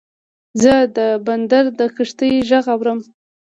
زه د بندر د کښتۍ غږ اورم.